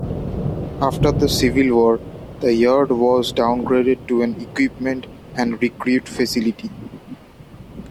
After the Civil War, the Yard was downgraded to an Equipment and Recruit Facility.